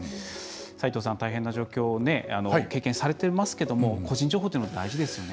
斉藤さん、大変な状況を経験されてますけども個人情報というのは大事ですよね。